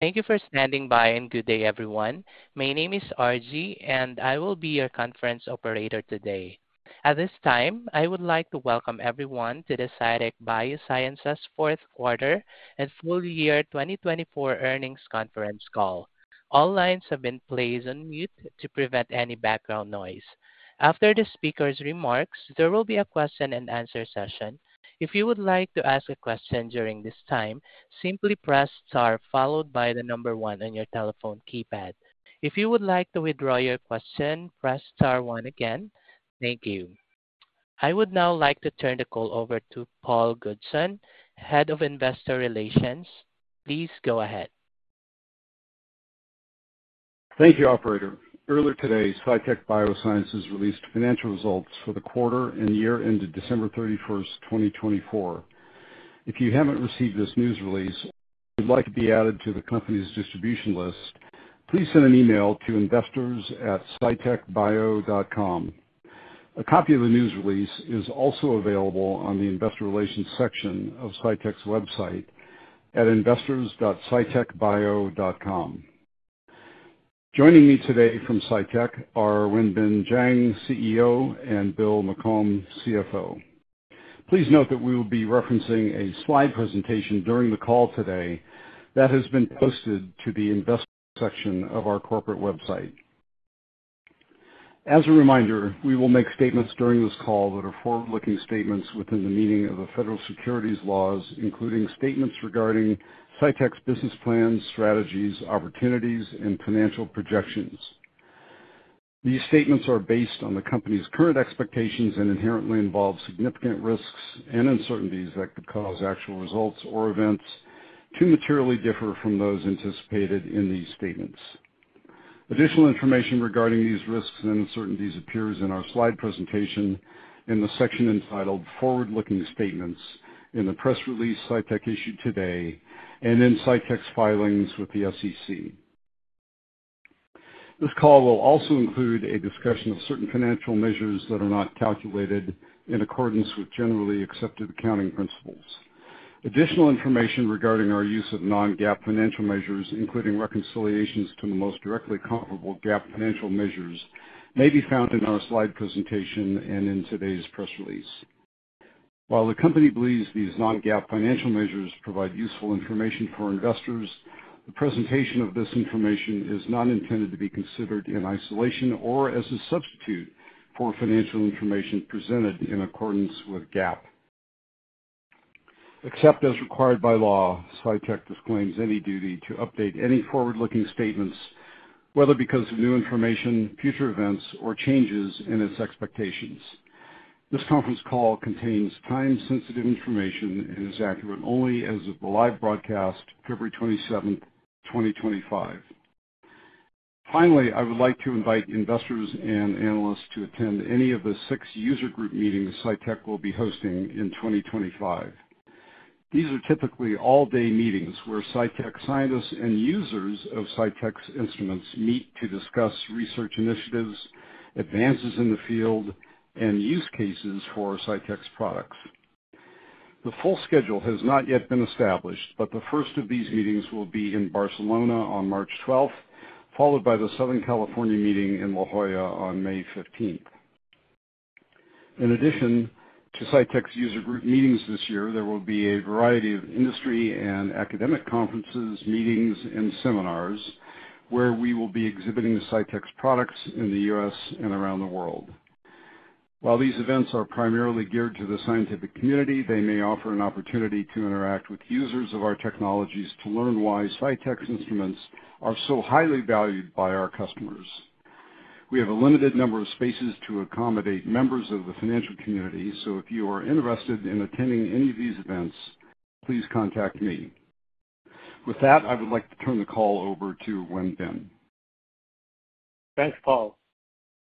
Thank you for standing by, and good day, everyone. My name is RG, and I will be your conference operator today. At this time, I would like to welcome everyone to the Cytek Biosciences fourth quarter and full year 2024 earnings conference call. All lines have been placed on mute to prevent any background noise. After the speaker's remarks, there will be a question-and-answer session. If you would like to ask a question during this time, simply press star followed by the number one on your telephone keypad. If you would like to withdraw your question, press star one again. Thank you. I would now like to turn the call over to Paul Goodson, Head of Investor Relations. Please go ahead. Thank you, Operator. Earlier today, Cytek Biosciences released financial results for the quarter and year-ended December 31, 2024. If you haven't received this news release or would like to be added to the company's distribution list, please send an email to investors@cytekbio.com. A copy of the news release is also available on the Investor Relations section of Cytek's website at investors.cytekbio.com. Joining me today from Cytek are Wenbin Jiang, CEO, and Bill McCombe, CFO. Please note that we will be referencing a slide presentation during the call today that has been posted to the Investor section of our corporate website. As a reminder, we will make statements during this call that are forward-looking statements within the meaning of the federal securities laws, including statements regarding Cytek's business plans, strategies, opportunities, and financial projections. These statements are based on the company's current expectations and inherently involve significant risks and uncertainties that could cause actual results or events to materially differ from those anticipated in these statements. Additional information regarding these risks and uncertainties appears in our slide presentation in the section entitled Forward-Looking Statements in the press release Cytek issued today and in Cytek's filings with the SEC. This call will also include a discussion of certain financial measures that are not calculated in accordance with generally accepted accounting principles. Additional information regarding our use of non-GAAP financial measures, including reconciliations to the most directly comparable GAAP financial measures, may be found in our slide presentation and in today's press release. While the company believes these non-GAAP financial measures provide useful information for investors, the presentation of this information is not intended to be considered in isolation or as a substitute for financial information presented in accordance with GAAP. Except as required by law, Cytek disclaims any duty to update any forward-looking statements, whether because of new information, future events, or changes in its expectations. This conference call contains time-sensitive information and is accurate only as of the live broadcast, February 27, 2025. Finally, I would like to invite investors and analysts to attend any of the six user group meetings Cytek will be hosting in 2025. These are typically all-day meetings where Cytek scientists and users of Cytek's instruments meet to discuss research initiatives, advances in the field, and use cases for Cytek's products. The full schedule has not yet been established, but the first of these meetings will be in Barcelona on March 12, followed by the Southern California meeting in La Jolla on May 15. In addition to Cytek's user group meetings this year, there will be a variety of industry and academic conferences, meetings, and seminars where we will be exhibiting Cytek's products in the U.S. and around the world. While these events are primarily geared to the scientific community, they may offer an opportunity to interact with users of our technologies to learn why Cytek's instruments are so highly valued by our customers. We have a limited number of spaces to accommodate members of the financial community, so if you are interested in attending any of these events, please contact me. With that, I would like to turn the call over to Wenbin. Thanks, Paul.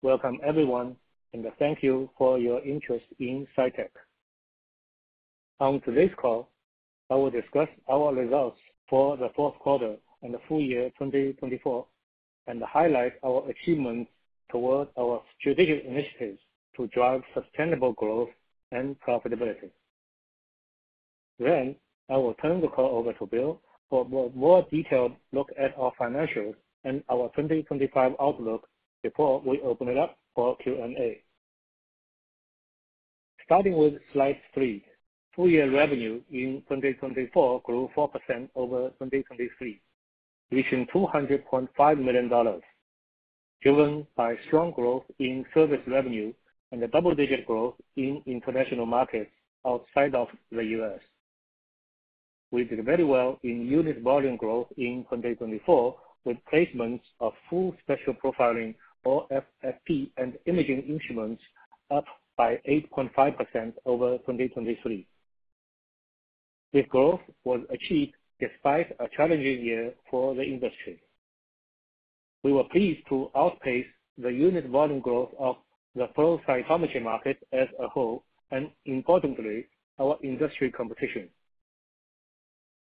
Welcome, everyone, and thank you for your interest in Cytek. On today's call, I will discuss our results for the fourth quarter and the full year 2024, and highlight our achievements toward our strategic initiatives to drive sustainable growth and profitability. Then, I will turn the call over to Bill for a more detailed look at our financials and our 2025 outlook before we open it up for Q&A. Starting with slide three, full year revenue in 2024 grew 4% over 2023, reaching $200.5 million, driven by strong growth in service revenue and a double-digit growth in international markets outside of the U.S. We did very well in unit volume growth in 2024, with placements of Full Spectrum Profiling or FSP and imaging instruments up by 8.5% over 2023. This growth was achieved despite a challenging year for the industry. We were pleased to outpace the unit volume growth of the flow cytometry market as a whole, and importantly, our industry competition.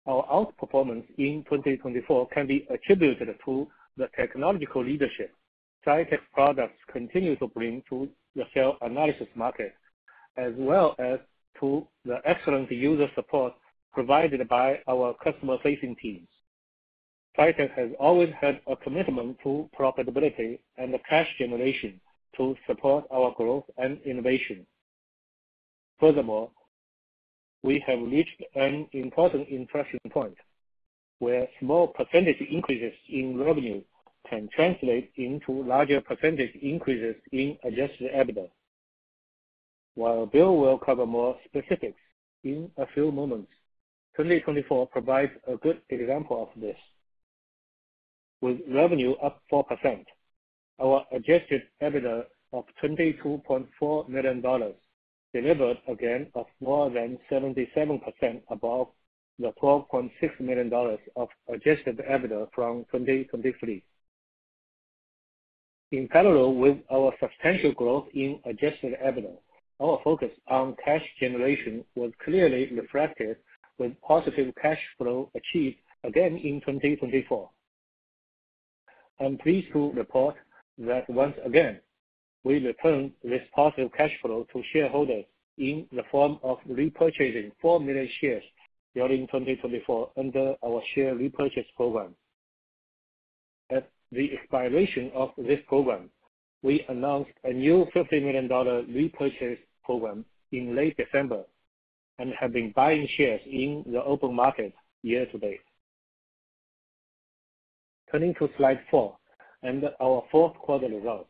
Our outperformance in 2024 can be attributed to the technological leadership Cytek products continue to bring to the cell analysis market, as well as to the excellent user support provided by our customer-facing teams. Cytek has always had a commitment to profitability and cash generation to support our growth and innovation. Furthermore, we have reached an important inflection point where small percentage increases in revenue can translate into larger percentage increases in adjusted EBITDA. While Bill will cover more specifics in a few moments, 2024 provides a good example of this. With revenue up 4%, our adjusted EBITDA of $22.4 million delivered again more than 77% above the $12.6 million of adjusted EBITDA from 2023. In parallel with our substantial growth in Adjusted EBITDA, our focus on cash generation was clearly reflected with positive cash flow achieved again in 2024. I'm pleased to report that once again, we returned this positive cash flow to shareholders in the form of repurchasing four million shares during 2024 under our share repurchase program. At the expiration of this program, we announced a new $50 million repurchase program in late December and have been buying shares in the open market year-to-date. Turning to slide four and our fourth quarter results,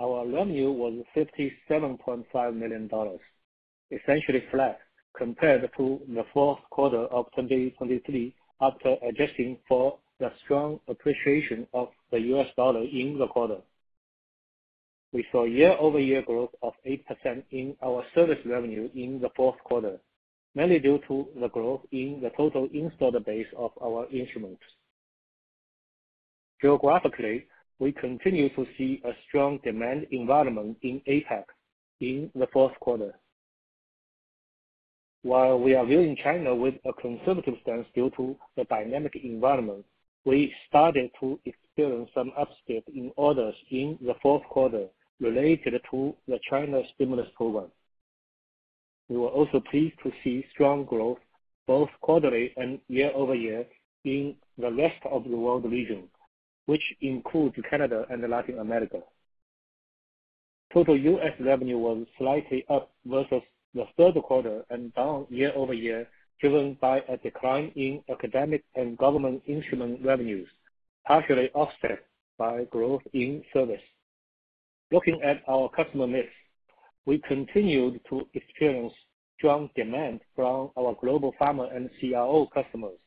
our revenue was $57.5 million, essentially flat compared to the fourth quarter of 2023 after adjusting for the strong appreciation of the U.S. dollar in the quarter. We saw year-over-year growth of 8% in our service revenue in the fourth quarter, mainly due to the growth in the total installed base of our instruments. Geographically, we continue to see a strong demand environment in APAC in the fourth quarter. While we are viewing China with a conservative stance due to the dynamic environment, we started to experience some uptick in orders in the fourth quarter related to the China stimulus program. We were also pleased to see strong growth both quarterly and year-over-year in the rest of the world region, which includes Canada and Latin America. Total U.S. revenue was slightly up versus the third quarter and down year-over-year, driven by a decline in academic and government instrument revenues, partially offset by growth in service. Looking at our customer mix, we continued to experience strong demand from our global pharma and CRO customers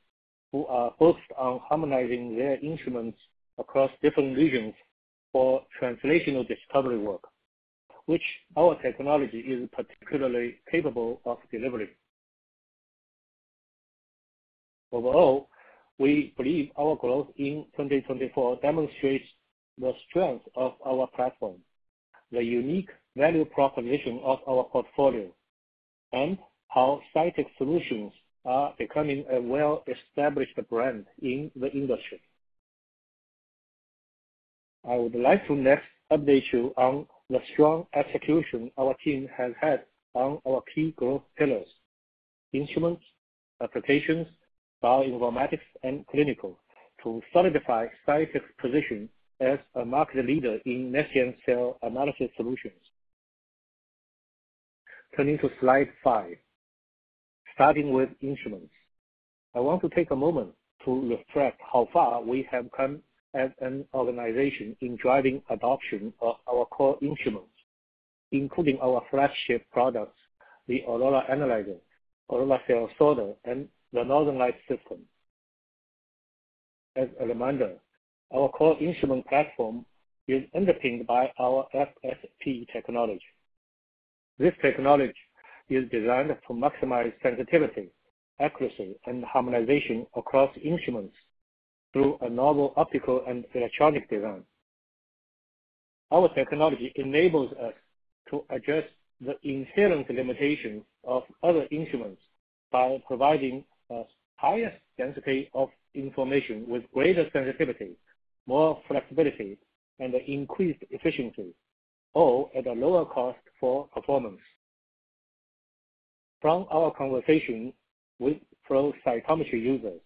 who are focused on harmonizing their instruments across different regions for translational discovery work, which our technology is particularly capable of delivering. Overall, we believe our growth in 2024 demonstrates the strength of our platform, the unique value proposition of our portfolio, and how Cytek Solutions are becoming a well-established brand in the industry. I would like to next update you on the strong execution our team has had on our key growth pillars: instruments, applications, bioinformatics, and clinical, to solidify Cytek's position as a market leader in next-gen cell analysis solutions. Turning to slide five, starting with instruments, I want to take a moment to reflect how far we have come as an organization in driving adoption of our core instruments, including our flagship products, the Aurora analyzer, Aurora CS, and the Northern Lights system. As a reminder, our core instrument platform is underpinned by our FSP technology. This technology is designed to maximize sensitivity, accuracy, and harmonization across instruments through a novel optical and electronic design. Our technology enables us to address the inherent limitations of other instruments by providing a higher density of information with greater sensitivity, more flexibility, and increased efficiency, all at a lower cost for performance. From our conversation with flow cytometry users,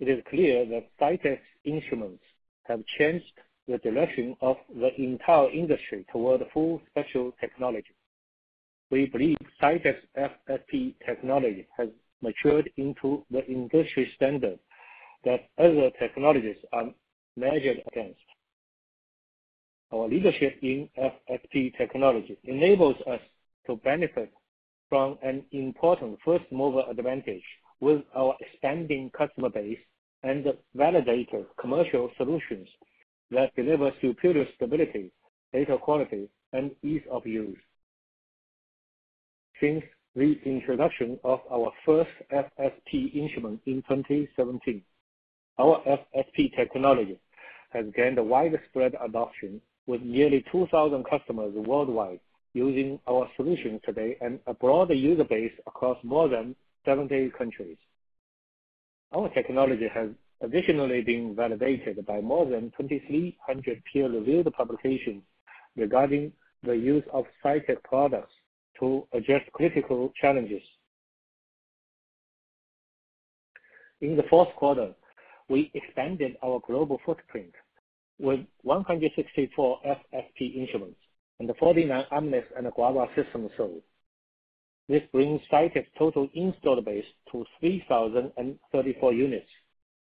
it is clear that Cytek's instruments have changed the direction of the entire industry toward full spectrum technology. We believe Cytek's FSP technology has matured into the industry standard that other technologies are measured against. Our leadership in FSP technology enables us to benefit from an important first-mover advantage with our expanding customer base and validated commercial solutions that deliver superior stability, data quality, and ease of use. Since the introduction of our first FSP instrument in 2017, our FSP technology has gained widespread adoption with nearly 2,000 customers worldwide using our solutions today and a broader user base across more than 70 countries. Our technology has additionally been validated by more than 2,300 peer-reviewed publications regarding the use of Cytek products to address critical challenges. In the fourth quarter, we expanded our global footprint with 164 FSP instruments and 49 Amnis and Guava systems sold. This brings Cytek's total installed base to 3,034 units,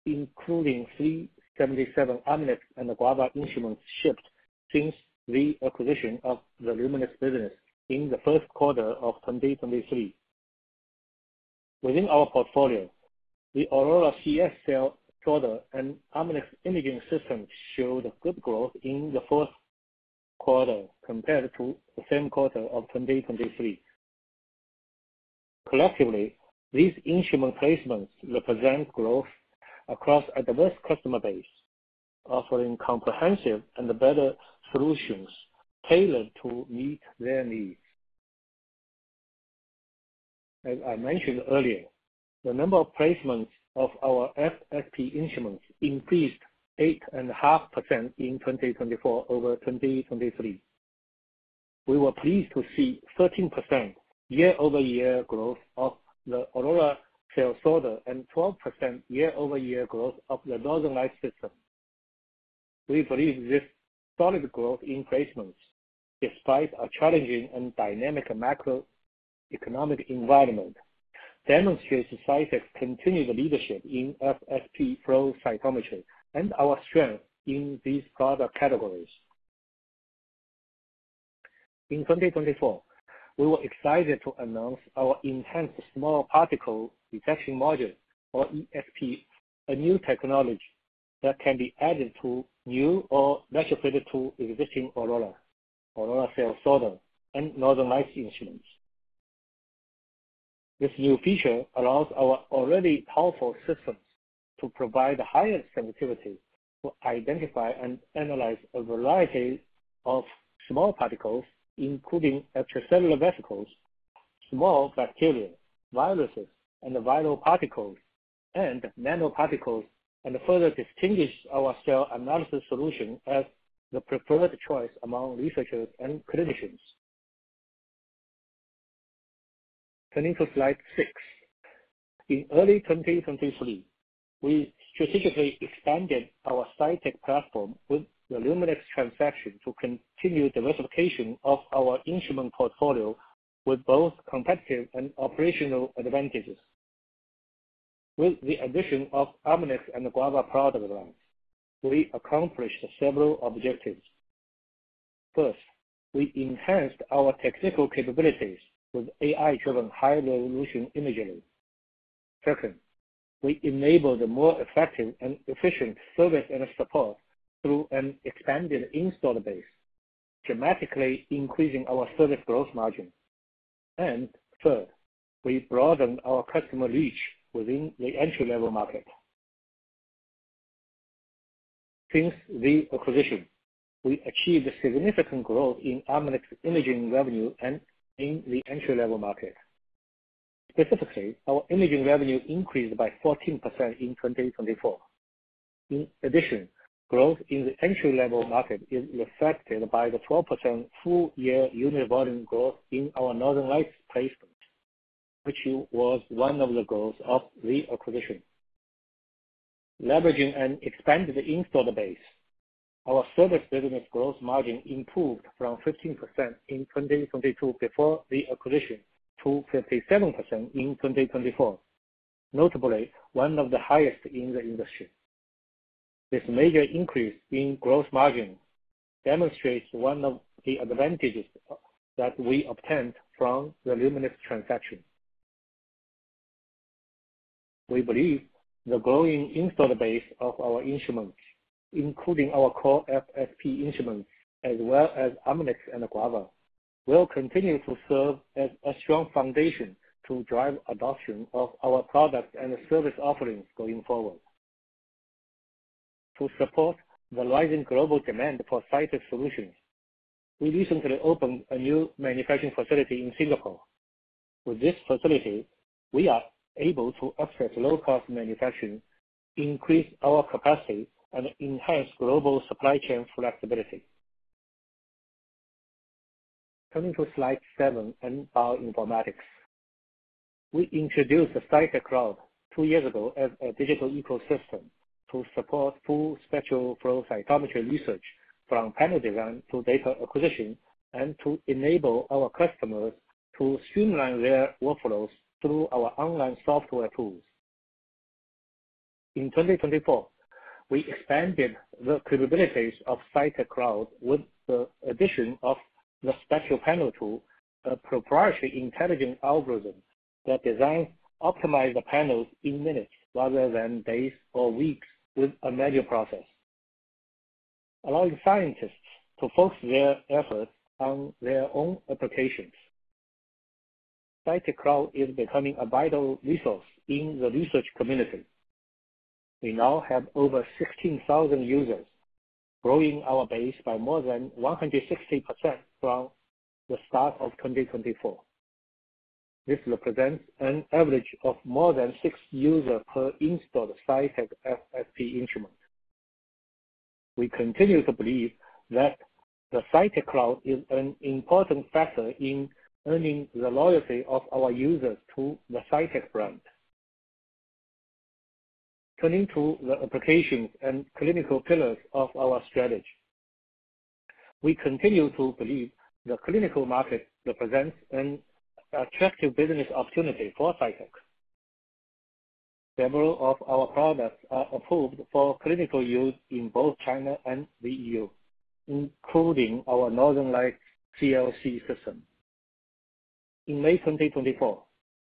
including 377 Amnis and Guava instruments shipped since the acquisition of the Luminex business in the first quarter of 2023. Within our portfolio, the Aurora CS cell sorter and Amnis imaging systems showed good growth in the fourth quarter compared to the same quarter of 2023. Collectively, these instrument placements represent growth across a diverse customer base, offering comprehensive and better solutions tailored to meet their needs. As I mentioned earlier, the number of placements of our FSP instruments increased 8.5% in 2024 over 2023. We were pleased to see 13% year-over-year growth of the Aurora CS and 12% year-over-year growth of the Northern Lights system. We believe this solid growth in placements, despite a challenging and dynamic macroeconomic environment, demonstrates Cytek's continued leadership in FSP flow cytometry and our strength in these product categories. In 2024, we were excited to announce our Enhanced Small Particle detection module, or ESP, a new technology that can be added to new or retrofitted to existing Aurora, Aurora CS, and Northern Lights instruments. This new feature allows our already powerful systems to provide higher sensitivity to identify and analyze a variety of small particles, including extracellular vesicles, small bacteria, viruses, and viral particles, and nanoparticles, and further distinguish our cell analysis solution as the preferred choice among researchers and clinicians. Turning to slide six, in early 2023, we strategically expanded our Cytek platform with the Luminex transaction to continue diversification of our instrument portfolio with both competitive and operational advantages. With the addition of Amnis and Guava product lines, we accomplished several objectives. First, we enhanced our technical capabilities with AI-driven high-resolution imagery. Second, we enabled more effective and efficient service and support through an expanded installed base, dramatically increasing our service gross margin. And third, we broadened our customer reach within the entry-level market. Since the acquisition, we achieved significant growth in Amnis's imaging revenue and in the entry-level market. Specifically, our imaging revenue increased by 14% in 2024. In addition, growth in the entry-level market is reflected by the 12% full year unit volume growth in our Northern Lights placement, which was one of the goals of the acquisition. Leveraging an expanded installed base, our service business gross margin improved from 15% in 2022 before the acquisition to 57% in 2024, notably one of the highest in the industry. This major increase in gross margin demonstrates one of the advantages that we obtained from the Luminex transaction. We believe the growing installed base of our instruments, including our core FSP Instruments, as well as Amnis and Guava, will continue to serve as a strong foundation to drive adoption of our products and service offerings going forward. To support the rising global demand for Cytek solutions, we recently opened a new manufacturing facility in Singapore. With this facility, we are able to access low-cost manufacturing, increase our capacity, and enhance global supply chain flexibility. Turning to slide seven and bioinformatics, we introduced the Cytek Cloud two years ago as a digital ecosystem to support full spectrum flow cytometry research from panel design to data acquisition and to enable our customers to streamline their workflows through our online software tools. In 2024, we expanded the capabilities of Cytek Cloud with the addition of the Spectrum Panel Tool, a proprietary intelligent algorithm that designs optimized panels in minutes rather than days or weeks with a manual process, allowing scientists to focus their efforts on their own applications. Cytek Cloud is becoming a vital resource in the research community. We now have over 16,000 users growing our base by more than 160% from the start of 2024. This represents an average of more than six users per installed Cytek FSP instrument. We continue to believe that the Cytek Cloud is an important factor in earning the loyalty of our users to the Cytek brand. Turning to the applications and clinical pillars of our strategy, we continue to believe the clinical market represents an attractive business opportunity for Cytek. Several of our products are approved for clinical use in both China and the EU, including our Northern Lights CLC system. In May 2024,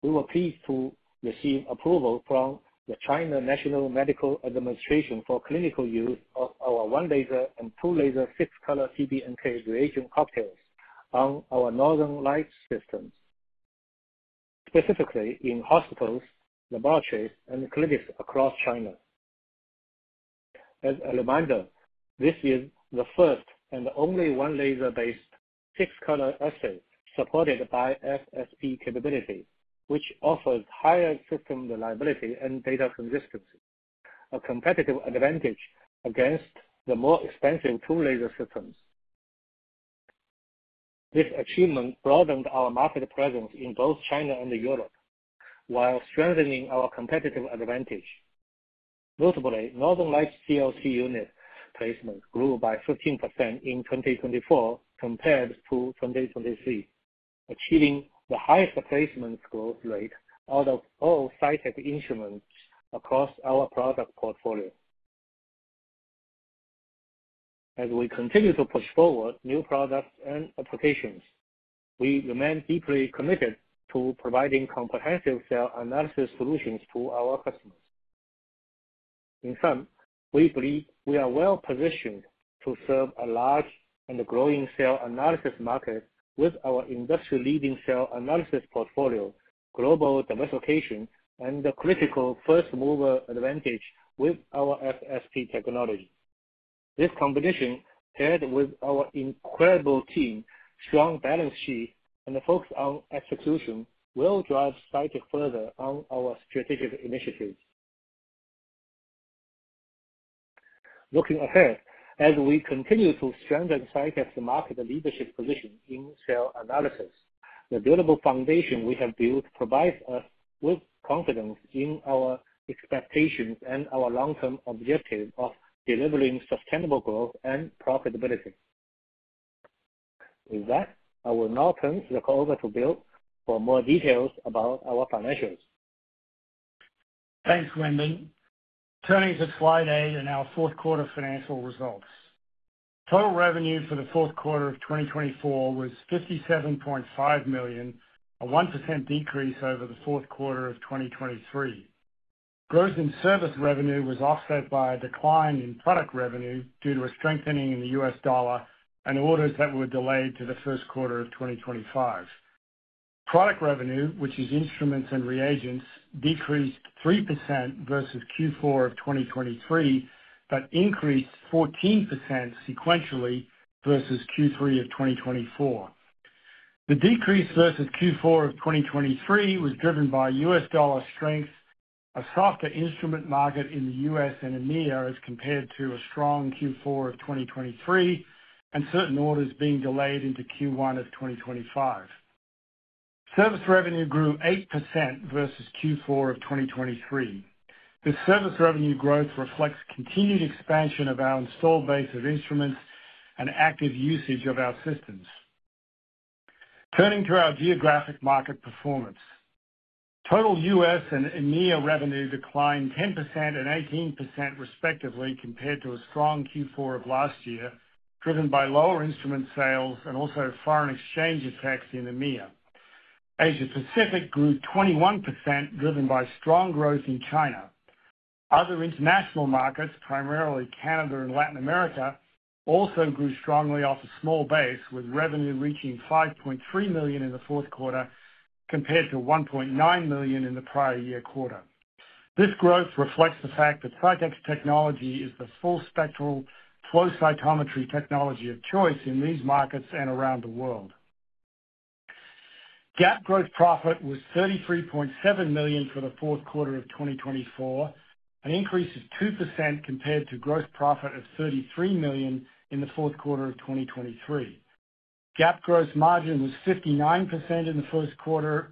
we were pleased to receive approval from the National Medical Products Administration for clinical use of our one-laser and two-laser six-color TBNK reagent cocktails on our Northern Lights systems, specifically in hospitals, laboratories, and clinics across China. As a reminder, this is the first and only one-laser-based six-color assay supported by FSP capability, which offers higher system reliability and data consistency, a competitive advantage against the more expensive two-laser systems. This achievement broadened our market presence in both China and Europe, while strengthening our competitive advantage. Notably, Northern Lights CLC unit placement grew by 15% in 2024 compared to 2023, achieving the highest placement growth rate out of all Cytek instruments across our product portfolio. As we continue to push forward new products and applications, we remain deeply committed to providing comprehensive cell analysis solutions to our customers. In sum, we believe we are well positioned to serve a large and growing cell analysis market with our industry-leading cell analysis portfolio, global diversification, and the critical first-mover advantage with our FSP technology. This combination, paired with our incredible team, strong balance sheet, and focus on execution, will drive Cytek further on our strategic initiatives. Looking ahead, as we continue to strengthen Cytek's market leadership position in cell analysis, the durable foundation we have built provides us with confidence in our expectations and our long-term objective of delivering sustainable growth and profitability. With that, I will now turn the call over to Bill for more details about our financials. Thanks, Wenbin. Turning to slide eight and our fourth quarter financial results. Total revenue for the fourth quarter of 2024 was $57.5 million, a 1% decrease over the fourth quarter of 2023. Growth in service revenue was offset by a decline in product revenue due to a strengthening in the U.S. dollar and orders that were delayed to the first quarter of 2025. Product revenue, which is instruments and reagents, decreased 3% versus Q4 of 2023 but increased 14% sequentially versus Q3 of 2024. The decrease versus Q4 of 2023 was driven by U.S. dollar strength, a softer instrument market in the U.S. and EMEA as compared to a strong Q4 of 2023, and certain orders being delayed into Q1 of 2025. Service revenue grew 8% versus Q4 of 2023. This service revenue growth reflects continued expansion of our installed base of instruments and active usage of our systems. Turning to our geographic market performance, total U.S. and EMEA revenue declined 10% and 18% respectively compared to a strong Q4 of last year, driven by lower instrument sales and also foreign exchange effects in EMEA. Asia-Pacific grew 21%, driven by strong growth in China. Other international markets, primarily Canada and Latin America, also grew strongly off a small base, with revenue reaching $5.3 million in the fourth quarter compared to $1.9 million in the prior year quarter. This growth reflects the fact that Cytek's technology is the full spectrum flow cytometry technology of choice in these markets and around the world. GAAP gross profit was $33.7 million for the fourth quarter of 2024, an increase of 2% compared to gross profit of $33 million in the fourth quarter of 2023. GAAP gross margin was 59% in the fourth quarter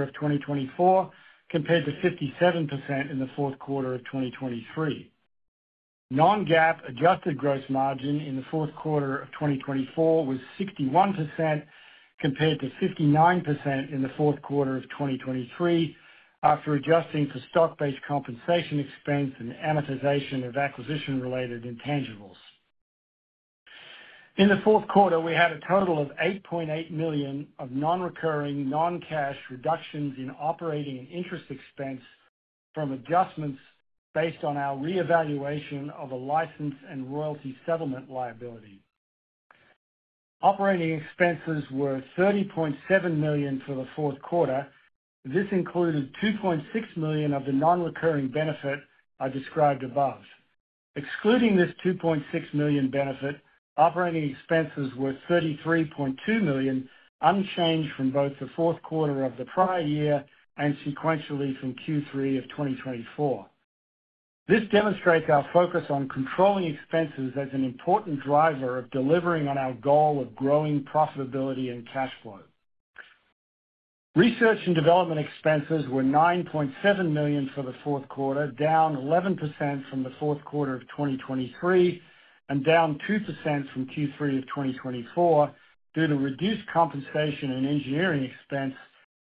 of 2024 compared to 57% in the fourth quarter of 2023. Non-GAAP adjusted gross margin in the fourth quarter of 2024 was 61% compared to 59% in the fourth quarter of 2023, after adjusting for stock-based compensation expense and amortization of acquisition-related intangibles. In the fourth quarter, we had a total of $8.8 million of non-recurring non-cash reductions in operating and interest expense from adjustments based on our reevaluation of a license and royalty settlement liability. Operating expenses were $30.7 million for the fourth quarter. This included $2.6 million of the non-recurring benefit I described above. Excluding this $2.6 million benefit, operating expenses were $33.2 million, unchanged from both the fourth quarter of the prior year and sequentially from Q3 of 2024. This demonstrates our focus on controlling expenses as an important driver of delivering on our goal of growing profitability and cash flow. Research and development expenses were $9.7 million for the fourth quarter, down 11% from the fourth quarter of 2023 and down 2% from Q3 of 2024 due to reduced compensation and engineering expense,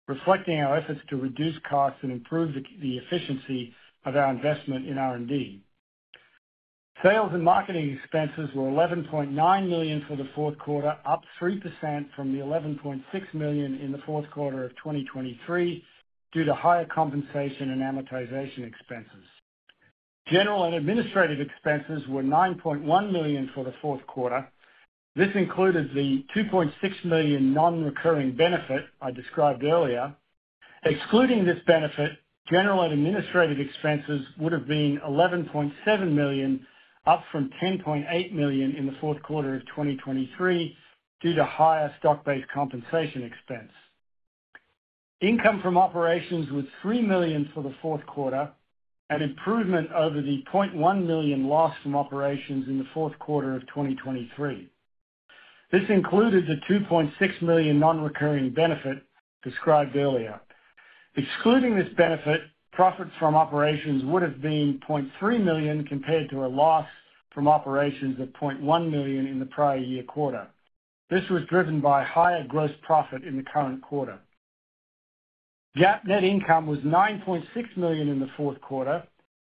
reflecting our efforts to reduce costs and improve the efficiency of our investment in R&D. Sales and marketing expenses were $11.9 million for the fourth quarter, up 3% from the $11.6 million in the fourth quarter of 2023 due to higher compensation and amortization expenses. General and administrative expenses were $9.1 million for the fourth quarter. This included the $2.6 million non-recurring benefit I described earlier. Excluding this benefit, general and administrative expenses would have been $11.7 million, up from $10.8 million in the fourth quarter of 2023 due to higher stock-based compensation expense. Income from operations was $3 million for the fourth quarter, an improvement over the $0.1 million loss from operations in the fourth quarter of 2023. This included the $2.6 million non-recurring benefit described earlier. Excluding this benefit, profit from operations would have been $0.3 million compared to a loss from operations of $0.1 million in the prior year quarter. This was driven by higher gross profit in the current quarter. GAAP net income was $9.6 million in the fourth quarter.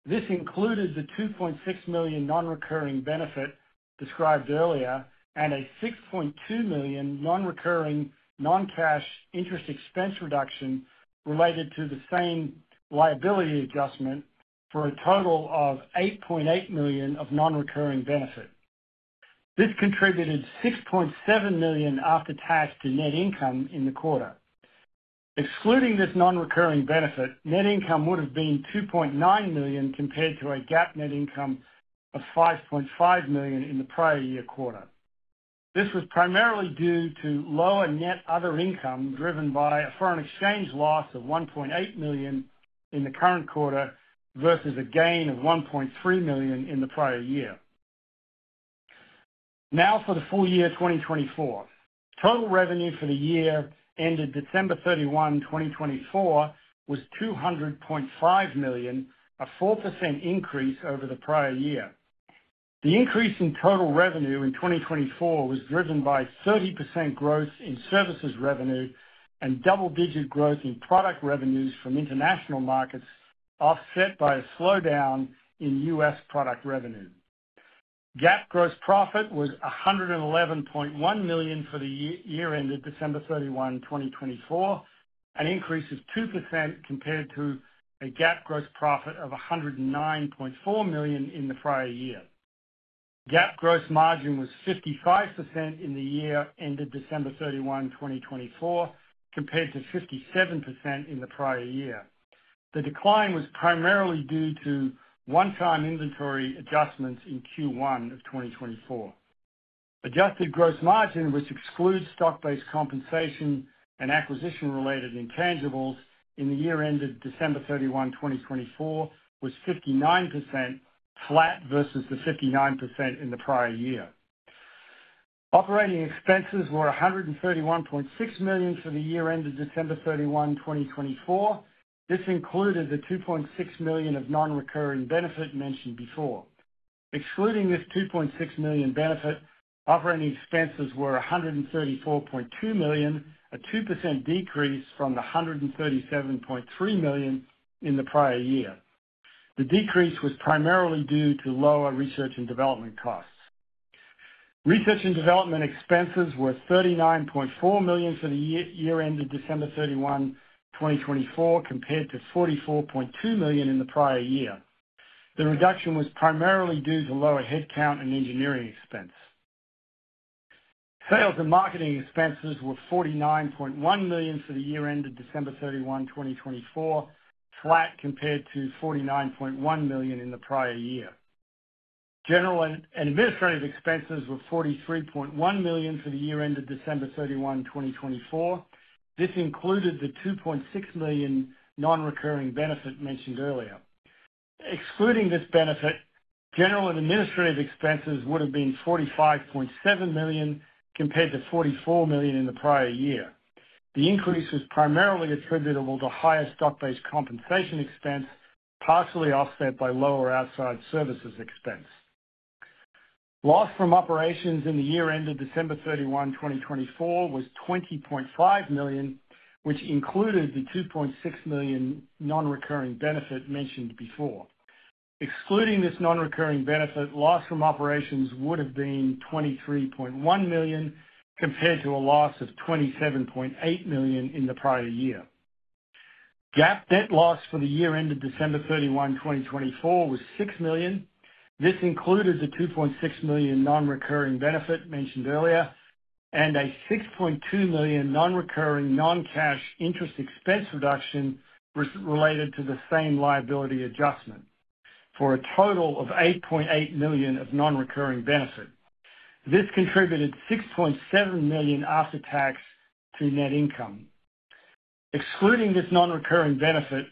This included the $2.6 million non-recurring benefit described earlier and a $6.2 million non-recurring non-cash interest expense reduction related to the same liability adjustment for a total of $8.8 million of non-recurring benefit. This contributed $6.7 million after-tax to net income in the quarter. Excluding this non-recurring benefit, net income would have been $2.9 million compared to a GAAP net income of $5.5 million in the prior year quarter. This was primarily due to lower net other income driven by a foreign exchange loss of $1.8 million in the current quarter versus a gain of $1.3 million in the prior year. Now for the full year 2024. Total revenue for the year ended December 31, 2024, was $200.5 million, a 4% increase over the prior year. The increase in total revenue in 2024 was driven by 30% growth in services revenue and double-digit growth in product revenues from international markets, offset by a slowdown in U.S. product revenue. GAAP gross profit was $111.1 million for the year ended December 31, 2024, an increase of 2% compared to a GAAP gross profit of $109.4 million in the prior year. GAAP gross margin was 55% in the year ended December 31, 2024, compared to 57% in the prior year. The decline was primarily due to one-time inventory adjustments in Q1 of 2024. Adjusted gross margin, which excludes stock-based compensation and acquisition-related intangibles in the year ended December 31, 2024, was 59%, flat versus the 59% in the prior year. Operating expenses were $131.6 million for the year ended December 31, 2024. This included the $2.6 million of non-recurring benefit mentioned before. Excluding this $2.6 million benefit, operating expenses were $134.2 million, a 2% decrease from the $137.3 million in the prior year. The decrease was primarily due to lower research and development costs. Research and development expenses were $39.4 million for the year ended December 31, 2024, compared to $44.2 million in the prior year. The reduction was primarily due to lower headcount and engineering expense. Sales and marketing expenses were $49.1 million for the year ended December 31, 2024, flat compared to $49.1 million in the prior year. General and administrative expenses were $43.1 million for the year ended December 31, 2024. This included the $2.6 million non-recurring benefit mentioned earlier. Excluding this benefit, general and administrative expenses would have been $45.7 million compared to $44 million in the prior year. The increase was primarily attributable to higher stock-based compensation expense, partially offset by lower outside services expense. Loss from operations in the year ended December 31, 2024, was $20.5 million, which included the $2.6 million non-recurring benefit mentioned before. Excluding this non-recurring benefit, loss from operations would have been $23.1 million compared to a loss of $27.8 million in the prior year. GAAP net loss for the year ended December 31, 2024, was $6 million. This included the $2.6 million non-recurring benefit mentioned earlier and a $6.2 million non-recurring non-cash interest expense reduction related to the same liability adjustment for a total of $8.8 million of non-recurring benefit. This contributed $6.7 million after-tax to net income. Excluding this non-recurring benefit,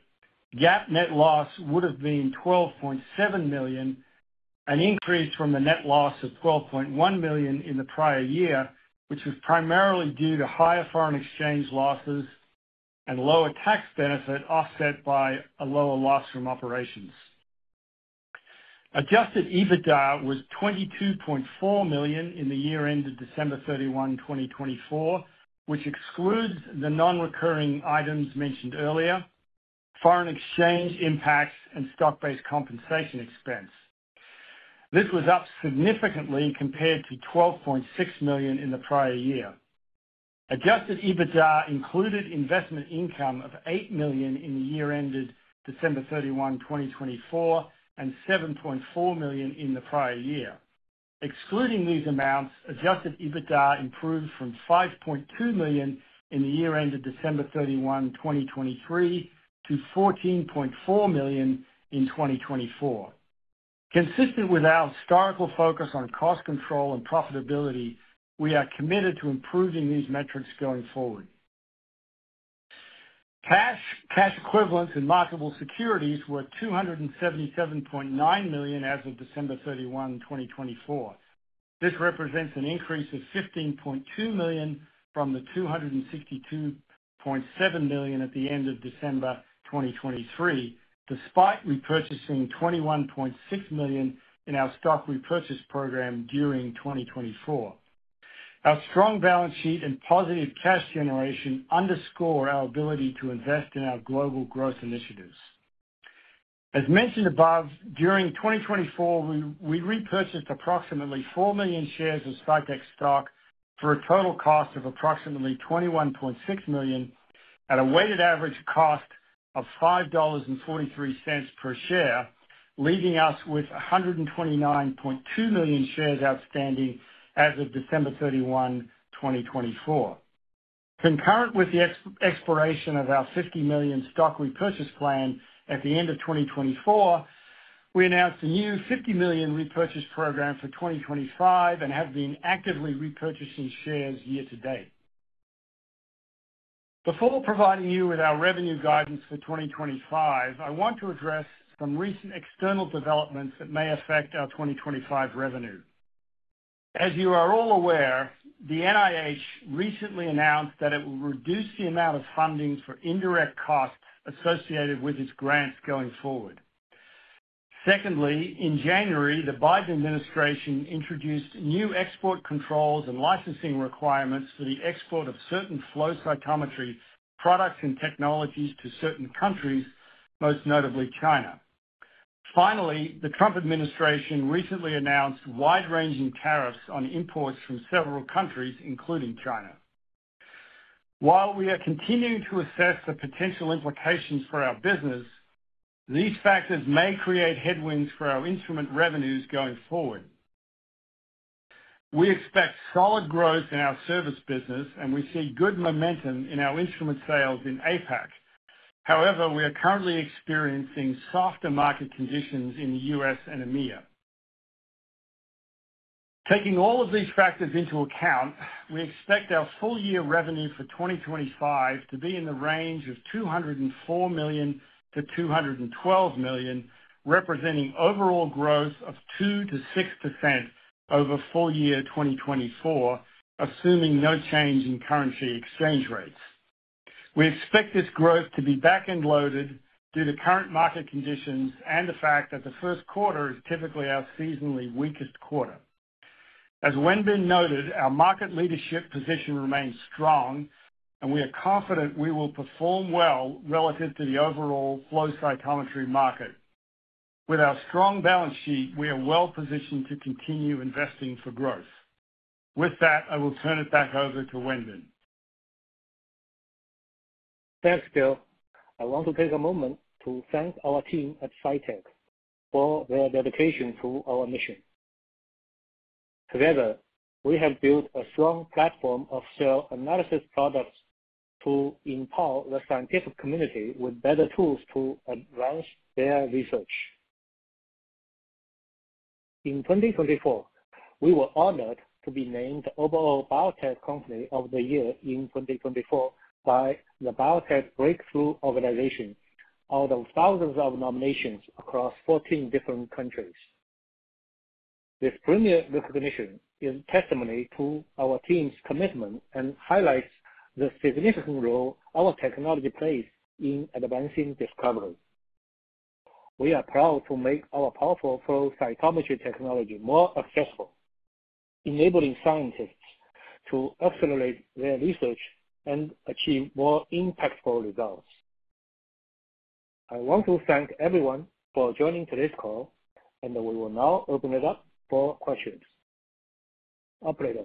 GAAP net loss would have been $12.7 million, an increase from the net loss of $12.1 million in the prior year, which was primarily due to higher foreign exchange losses and lower tax benefit offset by a lower loss from operations. Adjusted EBITDA was $22.4 million in the year ended December 31, 2024, which excludes the non-recurring items mentioned earlier, foreign exchange impacts, and stock-based compensation expense. This was up significantly compared to $12.6 million in the prior year. Adjusted EBITDA included investment income of $8 million in the year ended December 31, 2024, and $7.4 million in the prior year. Excluding these amounts, adjusted EBITDA improved from $5.2 million in the year ended December 31, 2023, to $14.4 million in 2024. Consistent with our historical focus on cost control and profitability, we are committed to improving these metrics going forward. Cash, cash equivalents, and marketable securities were $277.9 million as of December 31, 2024. This represents an increase of $15.2 million from the $262.7 million at the end of December 2023, despite repurchasing $21.6 million in our stock repurchase program during 2024. Our strong balance sheet and positive cash generation underscore our ability to invest in our global growth initiatives. As mentioned above, during 2024, we repurchased approximately four million shares of Cytek stock for a total cost of approximately 21.6 million at a weighted average cost of $5.43 per share, leaving us with 129.2 million shares outstanding as of December 31, 2024. Concurrent with the expiration of our 50 million stock repurchase plan at the end of 2024, we announced a new 50 million repurchase program for 2025 and have been actively repurchasing shares year to date. Before providing you with our revenue guidance for 2025, I want to address some recent external developments that may affect our 2025 revenue. As you are all aware, the NIH recently announced that it will reduce the amount of funding for indirect costs associated with its grants going forward. Secondly, in January, the Biden administration introduced new export controls and licensing requirements for the export of certain flow cytometry products and technologies to certain countries, most notably China. Finally, the Trump administration recently announced wide-ranging tariffs on imports from several countries, including China. While we are continuing to assess the potential implications for our business, these factors may create headwinds for our instrument revenues going forward. We expect solid growth in our service business, and we see good momentum in our instrument sales in APAC. However, we are currently experiencing softer market conditions in the U.S. and EMEA. Taking all of these factors into account, we expect our full year revenue for 2025 to be in the range of $204 million-$212 million, representing overall growth of 2% to 6% over full year 2024, assuming no change in currency exchange rates. We expect this growth to be back-end loaded due to current market conditions and the fact that the first quarter is typically our seasonally weakest quarter. As has been noted, our market leadership position remains strong, and we are confident we will perform well relative to the overall flow cytometry market. With our strong balance sheet, we are well positioned to continue investing for growth. With that, I will turn it back over to Wenbin. Thanks, Bill. I want to take a moment to thank our team at Cytek for their dedication to our mission. Together, we have built a strong platform of cell analysis products to empower the scientific community with better tools to advance their research. In 2024, we were honored to be named the overall Biotech Company of the Year in 2024 by the BioTech Breakthrough organization out of thousands of nominations across 14 different countries. This premier recognition is a testimony to our team's commitment and highlights the significant role our technology plays in advancing discovery. We are proud to make our powerful flow cytometry technology more accessible, enabling scientists to accelerate their research and achieve more impactful results. I want to thank everyone for joining today's call, and we will now open it up for questions. Operator.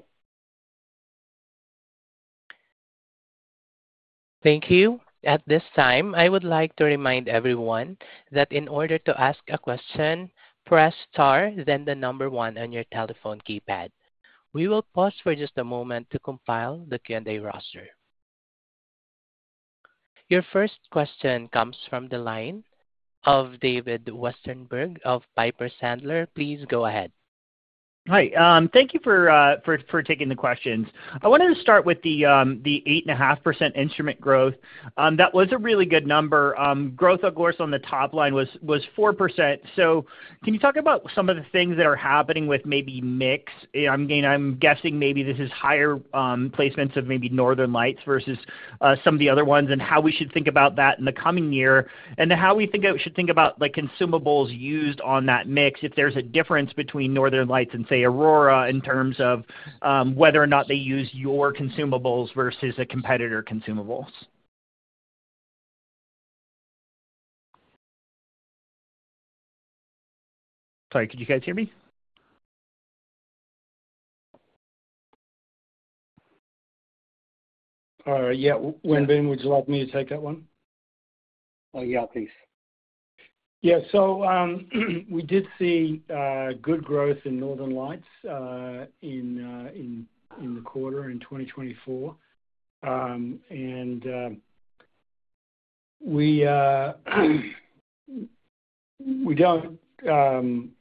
Thank you. At this time, I would like to remind everyone that in order to ask a question, press star, then the number one on your telephone keypad. We will pause for just a moment to compile the Q&A roster. Your first question comes from the line of David Westenberg of Piper Sandler. Please go ahead. Hi. Thank you for taking the questions. I wanted to start with the 8.5% instrument growth. That was a really good number. Growth, of course, on the top line was 4%. So can you talk about some of the things that are happening with maybe mix? I'm guessing maybe this is higher placements of maybe Northern Lights versus some of the other ones and how we should think about that in the coming year and how we should think about consumables used on that mix if there's a difference between Northern Lights and, say, Aurora in terms of whether or not they use your consumables versus a competitor's consumables. Sorry, could you guys hear me? All right. Yeah. Wenbin, would you like me to take that one? Yeah, please. Yeah. So we did see good growth in Northern Lights in the quarter in 2024. And we don't want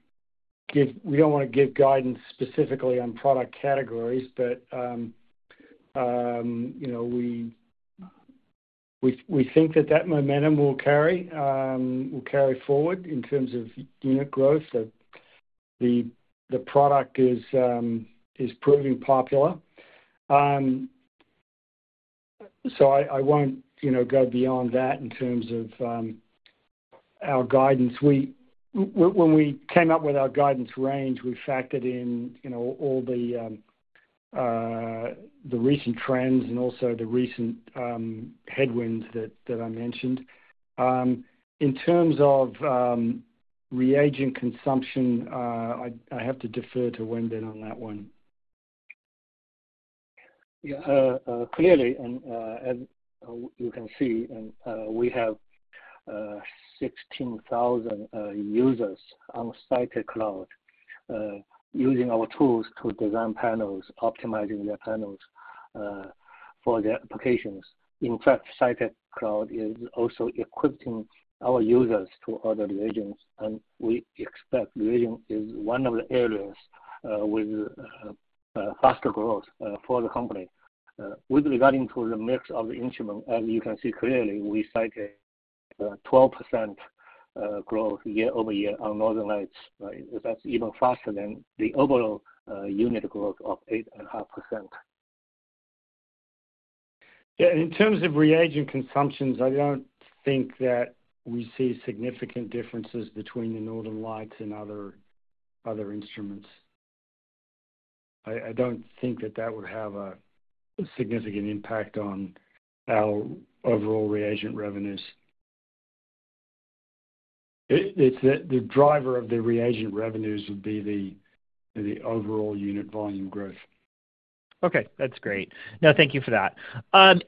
to give guidance specifically on product categories, but we think that that momentum will carry forward in terms of unit growth. The product is proving popular. So I won't go beyond that in terms of our guidance. When we came up with our guidance range, we factored in all the recent trends and also the recent headwinds that I mentioned. In terms of reagent consumption, I have to defer to Wenbin on that one. Yeah. Clearly, and as you can see, we have 16,000 users on Cytek Cloud using our tools to design panels, optimizing their panels for their applications. In fact, Cytek Cloud is also equipping our users to other reagents, and we expect reagent is one of the areas with faster growth for the company. With regard to the mix of the instrument, as you can see clearly, we cite 12% growth year over year on Northern Lights. That's even faster than the overall unit growth of 8.5%. Yeah. In terms of reagent consumptions, I don't think that we see significant differences between the Northern Lights and other instruments. I don't think that that would have a significant impact on our overall reagent revenues. The driver of the reagent revenues would be the overall unit volume growth. Okay. That's great. No, thank you for that. And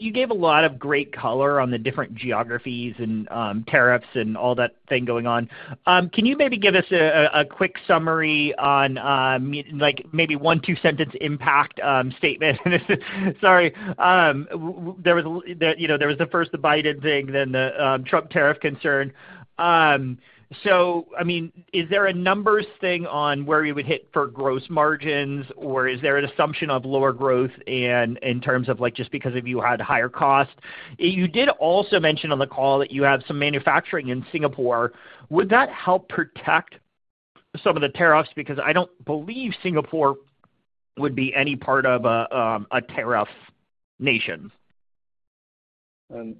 you gave a lot of great color on the different geographies and tariffs and all that thing going on. Can you maybe give us a quick summary on maybe one, two-sentence impact statement? Sorry. There was the first Biden thing, then the Trump tariff concern. So, I mean, is there a numbers thing on where you would hit for gross margins, or is there an assumption of lower growth in terms of just because you had higher costs? You did also mention on the call that you have some manufacturing in Singapore. Would that help protect some of the tariffs? Because I don't believe Singapore would be any part of a tariff nation. From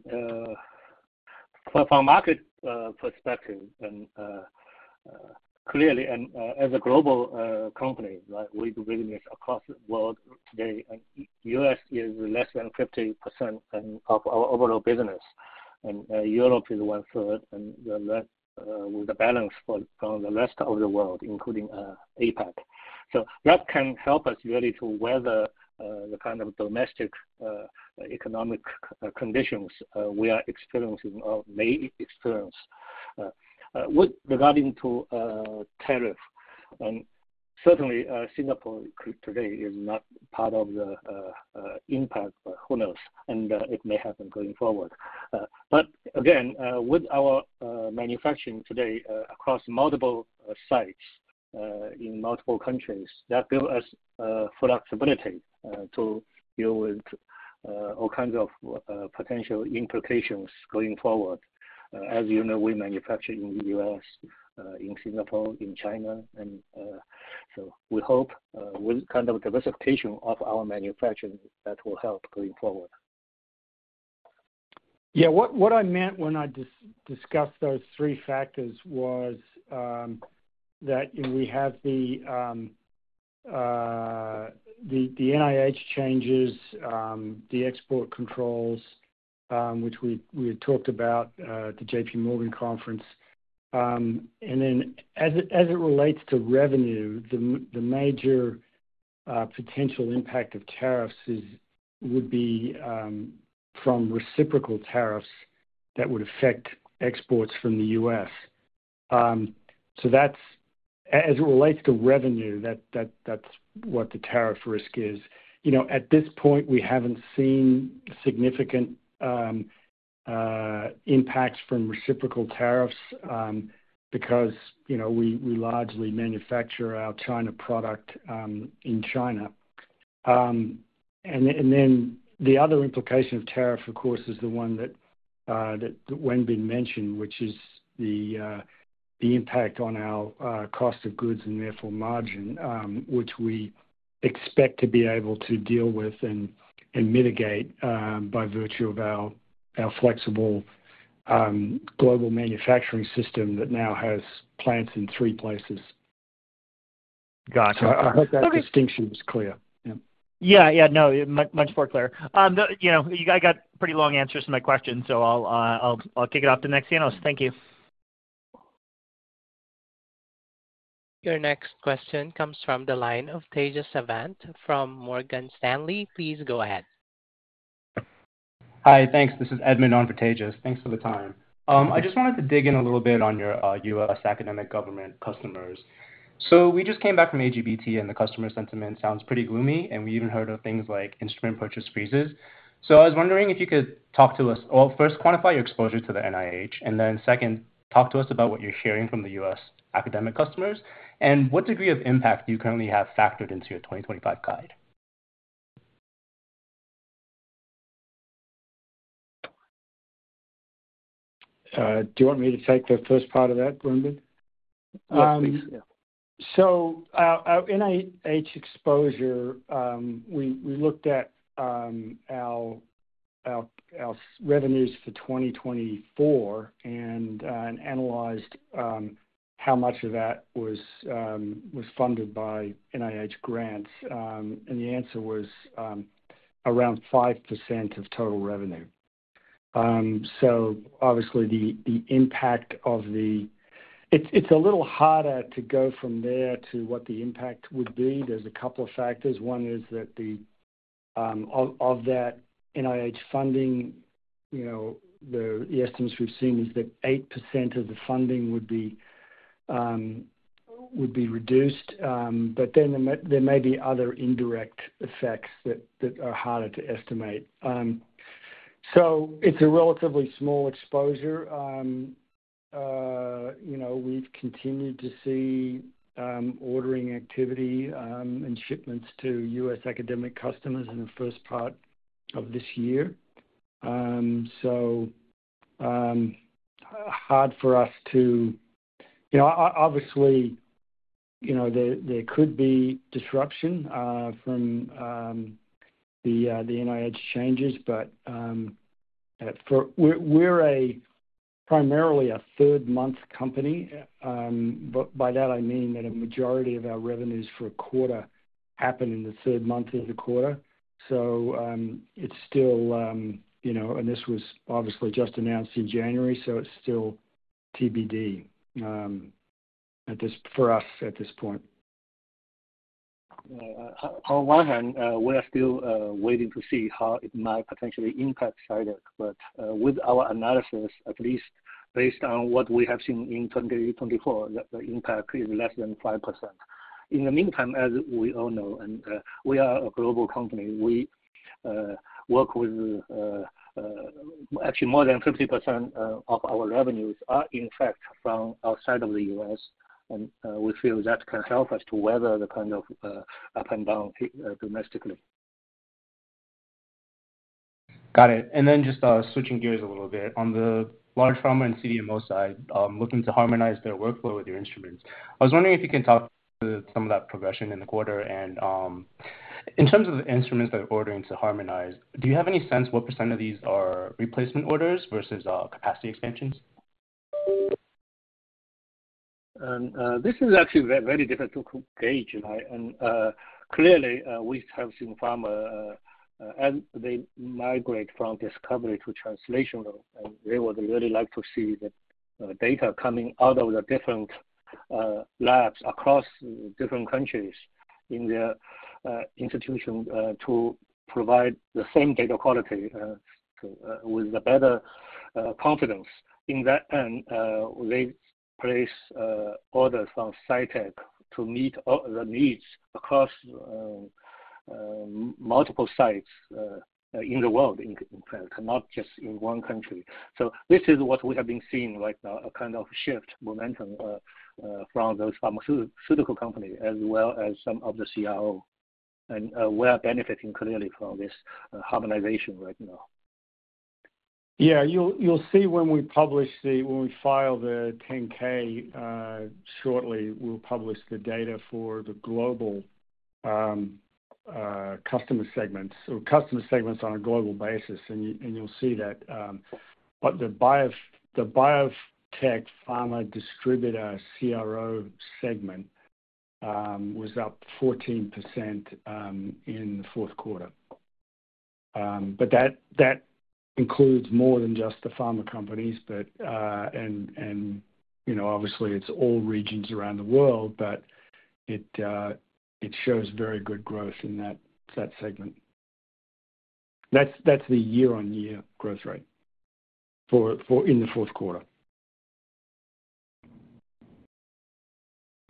a market perspective, clearly, and as a global company, we do business across the world. The U.S. is less than 50% of our overall business, and Europe is 1/3, and we're the balance from the rest of the world, including APAC. So that can help us really to weather the kind of domestic economic conditions we are experiencing or may experience. With regard to tariffs, certainly Singapore today is not part of the impact, but who knows? And it may happen going forward. But again, with our manufacturing today across multiple sites in multiple countries, that gives us flexibility to deal with all kinds of potential implications going forward. As you know, we manufacture in the U.S., in Singapore, in China. And so we hope with kind of diversification of our manufacturing, that will help going forward. Yeah. What I meant when I discussed those three factors was that we have the NIH changes, the export controls, which we had talked about at the JPMorgan conference, and then as it relates to revenue, the major potential impact of tariffs would be from reciprocal tariffs that would affect exports from the U.S., so as it relates to revenue, that's what the tariff risk is. At this point, we haven't seen significant impacts from reciprocal tariffs because we largely manufacture our China product in China, and then the other implication of tariff, of course, is the one that Wenbin mentioned, which is the impact on our cost of goods and therefore margin, which we expect to be able to deal with and mitigate by virtue of our flexible global manufacturing system that now has plants in three places. Gotcha. I hope that distinction was clear. Yeah. Yeah. No, much more clear. You guys got pretty long answers to my questions, so I'll kick it off to the next panelist. Thank you. Your next question comes from the line of Tejas Savant from Morgan Stanley. Please go ahead. Hi. Thanks. This is Edmund on for Tejas. Thanks for the time. I just wanted to dig in a little bit on your U.S. academic government customers. So we just came back from AGBT, and the customer sentiment sounds pretty gloomy, and we even heard of things like instrument purchase freezes. So I was wondering if you could talk to us, well, first, quantify your exposure to the NIH, and then second, talk to us about what you're hearing from the U.S. academic customers, and what degree of impact do you currently have factored into your 2025 guide? Do you want me to take the first part of that, Wenbin? Yes, please. Our NIH exposure, we looked at our revenues for 2024 and analyzed how much of that was funded by NIH grants. And the answer was around 5% of total revenue. So obviously, the impact of the. It's a little harder to go from there to what the impact would be. There's a couple of factors. One is that of that NIH funding, the estimates we've seen is that 8% of the funding would be reduced. But then there may be other indirect effects that are harder to estimate. So it's a relatively small exposure. We've continued to see ordering activity and shipments to U.S. academic customers in the first part of this year. So hard for us to. Obviously, there could be disruption from the NIH changes, but we're primarily a commercial company. By that, I mean that a majority of our revenues for a quarter happen in the third month of the quarter. So it's still, and this was obviously just announced in January, so it's still TBD for us at this point. On one hand, we are still waiting to see how it might potentially impact Cytek. But with our analysis, at least based on what we have seen in 2024, the impact is less than 5%. In the meantime, as we all know, and we are a global company, we work with, actually, more than 50% of our revenues are, in fact, from outside of the U.S. And we feel that can help us to weather the kind of up and down domestically. Got it. And then just switching gears a little bit. On the large pharma and CDMO side, looking to harmonize their workflow with your instruments, I was wondering if you can talk to some of that progression in the quarter. And in terms of the instruments that you're ordering to harmonize, do you have any sense what percent of these are replacement orders versus capacity expansions? This is actually a very difficult gauge, and clearly, we have seen pharma as they migrate from discovery to translational, and we would really like to see the data coming out of the different labs across different countries in their institution to provide the same data quality with better confidence. To that end, they place orders from Cytek to meet the needs across multiple sites in the world, in fact, not just in one country. This is what we have been seeing right now, a kind of shift, momentum from those pharmaceutical companies as well as some of the CRO, and we are benefiting clearly from this harmonization right now. Yeah. You'll see when we file the 10-K shortly, we'll publish the data for the global customer segments or customer segments on a global basis. And you'll see that the Biotech, Pharma, Distributor, CRO segment was up 14% in the fourth quarter. But that includes more than just the pharma companies. And obviously, it's all regions around the world, but it shows very good growth in that segment. That's the year-on-year growth rate in the fourth quarter.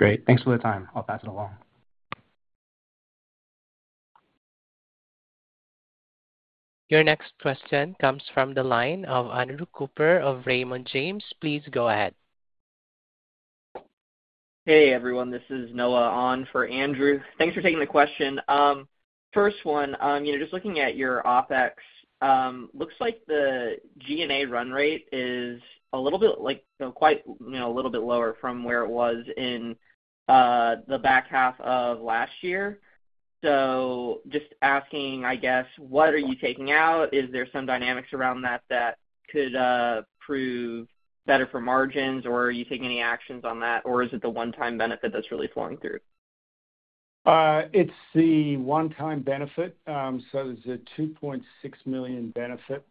Great. Thanks for the time. I'll pass it along. Your next question comes from the line of Andrew Cooper of Raymond James. Please go ahead. Hey, everyone. This is Noah on for Andrew. Thanks for taking the question. First one, just looking at your OpEx, looks like the G&A run rate is a little bit, quite a little bit lower from where it was in the back half of last year. So just asking, I guess, what are you taking out? Is there some dynamics around that that could prove better for margins, or are you taking any actions on that, or is it the one-time benefit that's really flowing through? It's the one-time benefit. So there's a $2.6 million benefit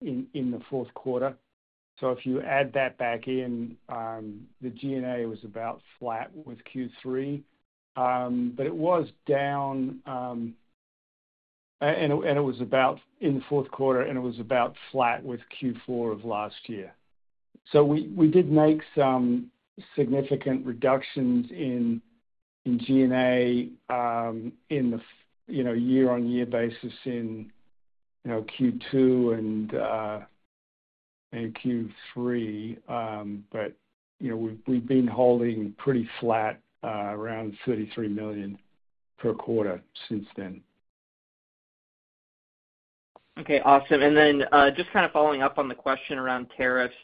in the fourth quarter. So if you add that back in, the G&A was about flat with Q3. But it was down, and it was about in the fourth quarter, and it was about flat with Q4 of last year. So we did make some significant reductions in G&A in the year-on-year basis in Q2 and Q3. But we've been holding pretty flat around $33 million per quarter since then. Okay. Awesome. And then just kind of following up on the question around tariffs,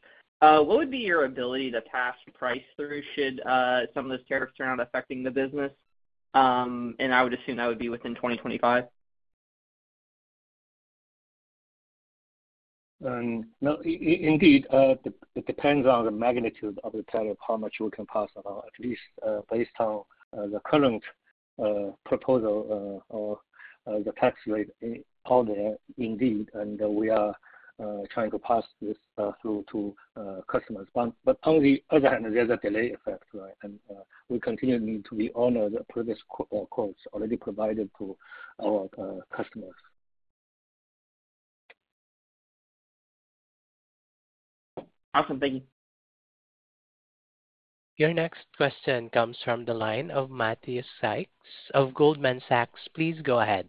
what would be your ability to pass price through should some of those tariffs turn out affecting the business? And I would assume that would be within 2025. Indeed. It depends on the magnitude of the tariff, how much we can pass around, at least based on the current proposal or the tax rate out there, indeed. And we are trying to pass this through to customers. But on the other hand, there's a delay effect, right? And we continue to honor the previous quotes already provided to our customers. Awesome. Thank you. Your next question comes from the line of Matthew Sykes of Goldman Sachs. Please go ahead.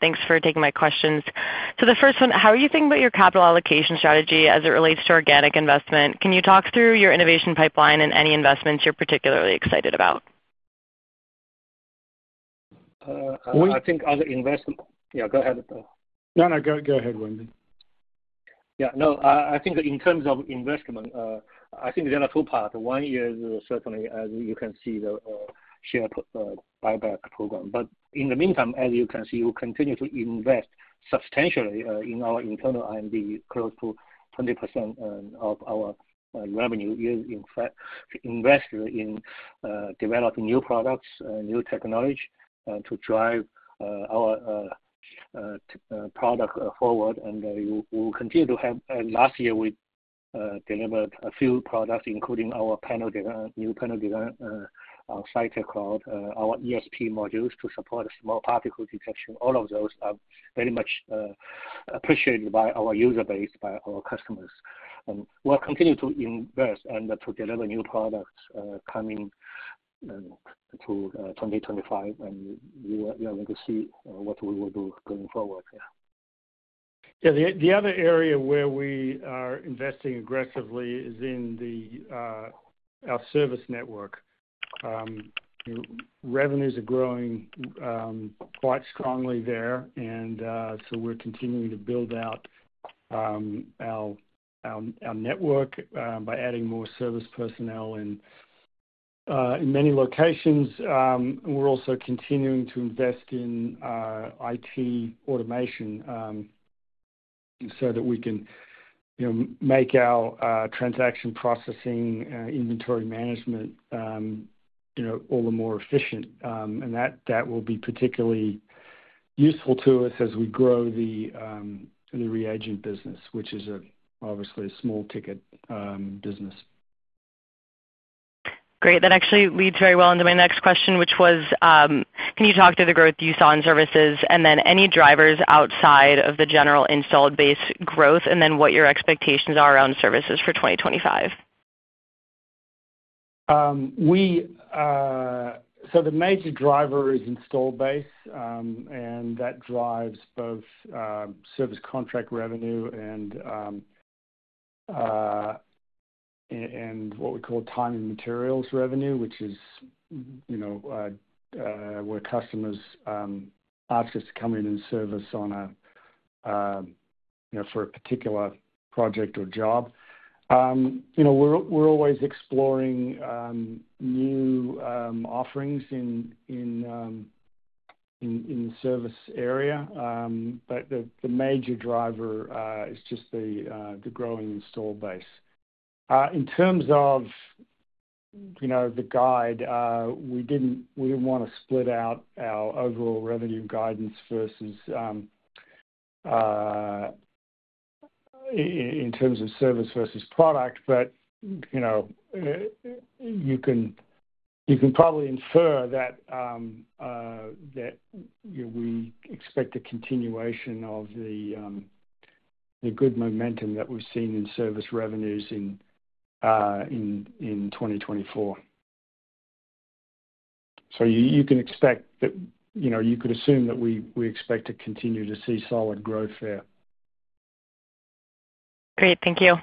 Thanks for taking my questions. So the first one, how are you thinking about your capital allocation strategy as it relates to organic investment? Can you talk through your innovation pipeline and any investments you're particularly excited about? I think other investment, yeah, go ahead. No, no, go ahead, Wenbin. Yeah. No, I think in terms of investment, I think there are two parts. One is certainly, as you can see, the share buyback program. But in the meantime, as you can see, we continue to invest substantially in our internal R&D, close to 20% of our revenue is, in fact, invested in developing new products, new technology to drive our product forward. And we will continue to have last year, we delivered a few products, including our new panel design on Cytek Cloud, our ESP Modules to support small particle detection. All of those are very much appreciated by our user base, by our customers. And we'll continue to invest and to deliver new products coming into 2025. And you're going to see what we will do going forward. Yeah. The other area where we are investing aggressively is in our service network. Revenues are growing quite strongly there. And so we're continuing to build out our network by adding more service personnel in many locations. We're also continuing to invest in IT automation so that we can make our transaction processing, inventory management all the more efficient. And that will be particularly useful to us as we grow the reagent business, which is obviously a small-ticket business. Great. That actually leads very well into my next question, which was, can you talk to the growth you saw in services and then any drivers outside of the general installed base growth and then what your expectations are around services for 2025? The major driver is installed base, and that drives both service contract revenue and what we call time and materials revenue, which is where customers are just coming in for service for a particular project or job. We're always exploring new offerings in the service area. The major driver is just the growing installed base. In terms of the guidance, we didn't want to split out our overall revenue guidance in terms of service versus product. You can probably infer that we expect a continuation of the good momentum that we've seen in service revenues in 2024. You can expect that you could assume that we expect to continue to see solid growth there. Great. Thank you.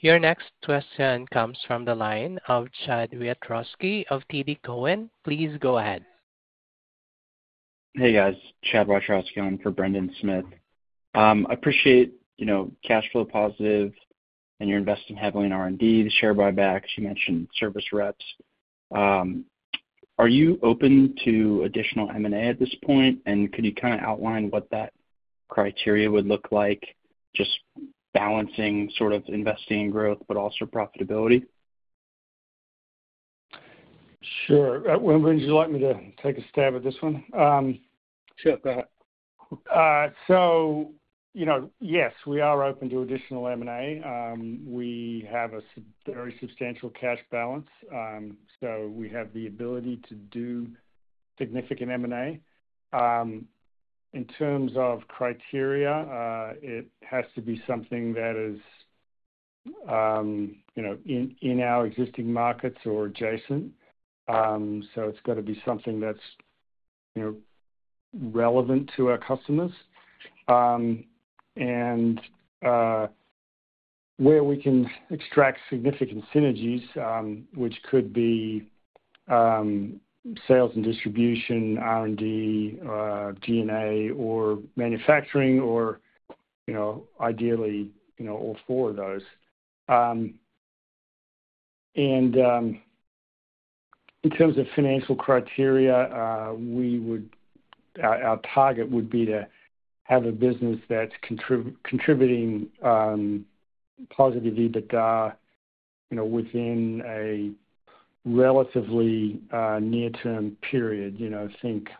Your next question comes from the line of Chad Wiatrowski of TD Cowen. Please go ahead. Hey, guys. Chad Wiatrowski on for Brendan Smith. I appreciate cash flow positive and you're investing heavily in R&D, the share buyback. You mentioned service reps. Are you open to additional M&A at this point? And could you kind of outline what that criteria would look like, just balancing sort of investing in growth but also profitability? Sure. Wenbin, would you like me to take a stab at this one? Sure. Go ahead. So yes, we are open to additional M&A. We have a very substantial cash balance. So we have the ability to do significant M&A. In terms of criteria, it has to be something that is in our existing markets or adjacent. So it's got to be something that's relevant to our customers and where we can extract significant synergies, which could be sales and distribution, R&D, G&A, or manufacturing, or ideally all four of those. And in terms of financial criteria, our target would be to have a business that's contributing positively but within a relatively near-term period, think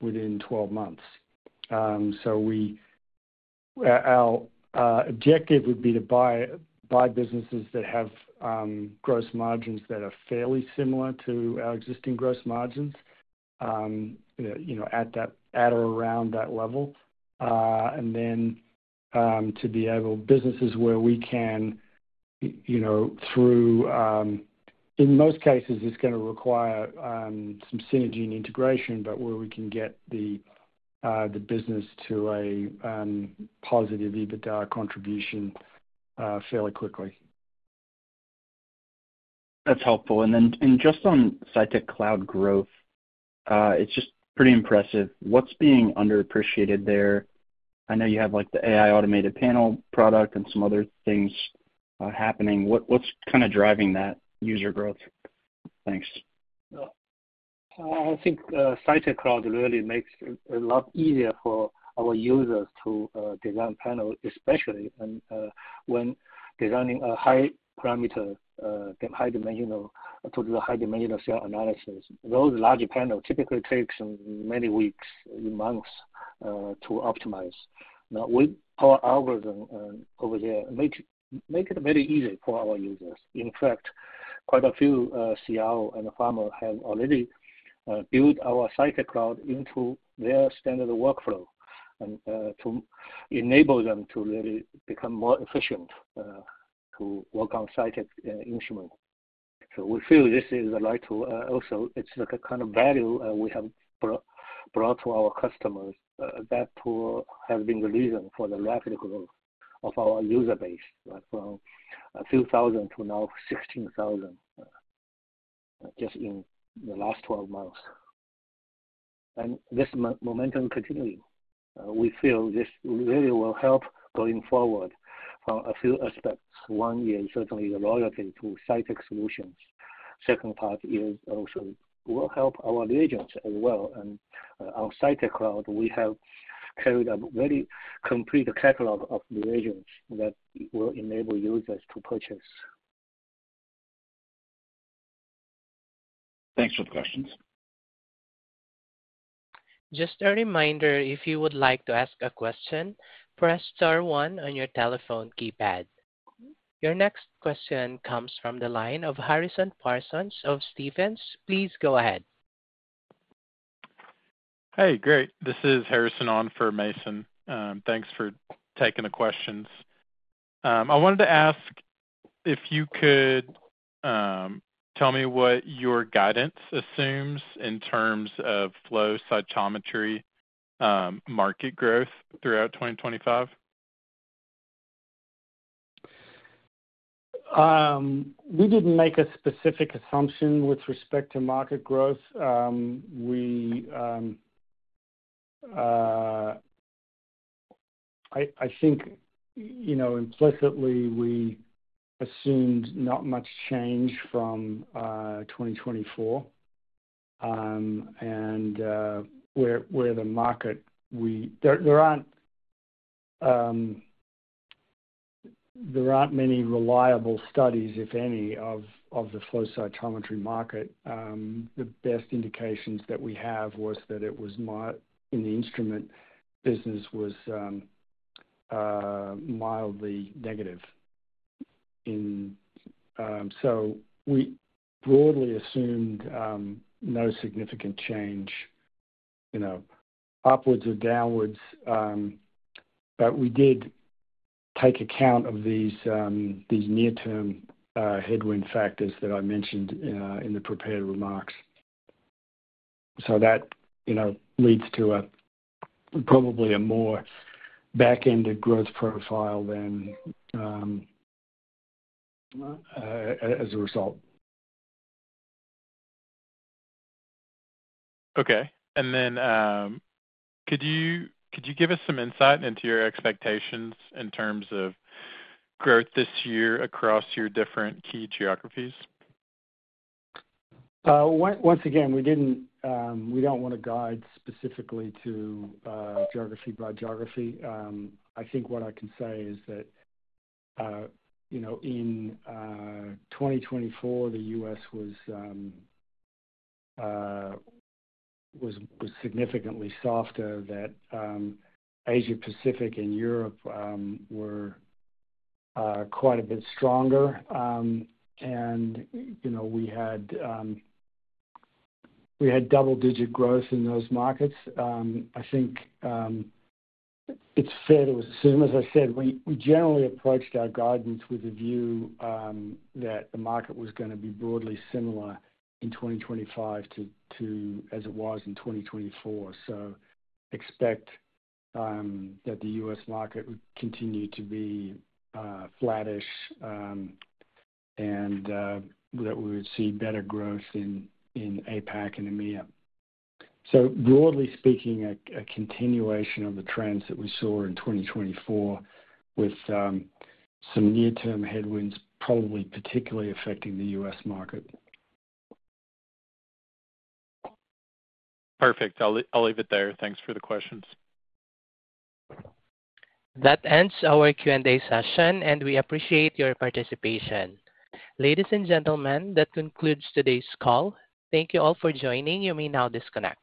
within 12 months. So our objective would be to buy businesses that have gross margins that are fairly similar to our existing gross margins at or around that level. And then to be able businesses where we can through, in most cases, it's going to require some synergy and integration, but where we can get the business to a positive EBITDA contribution fairly quickly. That's helpful. And then just on Cytek Cloud growth, it's just pretty impressive. What's being underappreciated there? I know you have the AI automated panel product and some other things happening. What's kind of driving that user growth? Thanks. I think Cytek Cloud really makes it a lot easier for our users to design panels, especially when designing a high-parameter, high-dimensional to the high-dimensional cell analysis. Those large panels typically take many weeks, months to optimize. Now, with our algorithm over there, make it very easy for our users. In fact, quite a few CRO and pharma have already built our Cytek Cloud into their standard workflow to enable them to really become more efficient to work on Cytek instruments. So we feel this is right too. Also, it's the kind of value we have brought to our customers. That has been the reason for the rapid growth of our user base from a few thousand to now 16,000 just in the last 12 months, and this momentum continues. We feel this really will help going forward from a few aspects. One is certainly the loyalty to Cytek solutions. Second part is also will help our reagents as well. And on Cytek Cloud, we have carried a very complete catalog of reagents that will enable users to purchase. Thanks for the questions. Just a reminder, if you would like to ask a question, press star one on your telephone keypad. Your next question comes from the line of Harrison Parsons of Stephens. Please go ahead. Hey, great. This is Harrison Parsons for Mason. Thanks for taking the questions. I wanted to ask if you could tell me what your guidance assumes in terms of flow cytometry market growth throughout 2025. We didn't make a specific assumption with respect to market growth. I think implicitly we assumed not much change from 2024, and where the market, there aren't many reliable studies, if any, of the flow cytometry market. The best indications that we have was that it was in the instrument business was mildly negative, so we broadly assumed no significant change upwards or downwards, but we did take account of these near-term headwind factors that I mentioned in the prepared remarks, so that leads to probably a more back-ended growth profile than as a result. Okay. And then could you give us some insight into your expectations in terms of growth this year across your different key geographies? Once again, we don't want to guide specifically to geography by geography. I think what I can say is that in 2024, the U.S. was significantly softer, that Asia-Pacific and Europe were quite a bit stronger, and we had double-digit growth in those markets. I think it's fair to assume, as I said, we generally approached our guidance with a view that the market was going to be broadly similar in 2025 to as it was in 2024, so expect that the U.S. market would continue to be flattish and that we would see better growth in APAC and EMEA. Broadly speaking, a continuation of the trends that we saw in 2024 with some near-term headwinds probably particularly affecting the U.S. market. Perfect. I'll leave it there. Thanks for the questions. That ends our Q&A session, and we appreciate your participation. Ladies and gentlemen, that concludes today's call. Thank you all for joining. You may now disconnect.